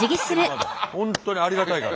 本当にありがたいから。